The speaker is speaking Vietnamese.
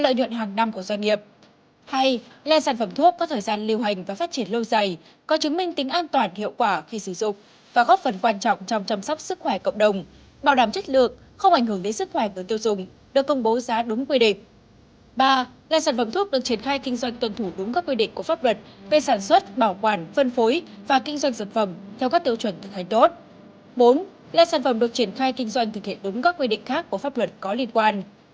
năm lên sản phẩm được triển khai kinh doanh thực hiện đúng các quy định của pháp luật có liên quan